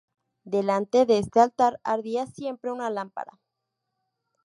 Delante de este altar ardía siempre una lámpara.